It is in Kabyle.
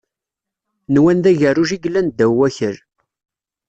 Nwan d agerruj i yellan ddaw wakal.